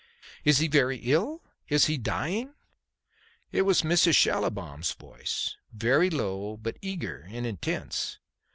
"He is very ill? He is dying?" It was Mrs. Schallibaum's voice; very low, but eager and intense.